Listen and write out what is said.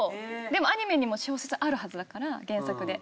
でもアニメにも小説あるはずだから原作で。